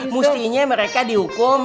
mestinya mereka dihukum